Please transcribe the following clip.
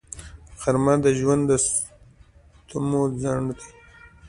غرمه د ژوند د ستمو ځنډ دی